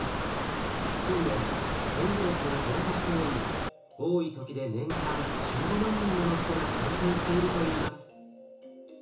近年デング熱が増加しており多い時で年間１５万人もの人が感染しているといいます。